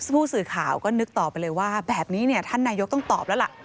ผู้สื่อข่าวก็นึกต่อไปเลยว่าแบบนี้เนี่ยท่านนายกต้องตอบแล้วล่ะ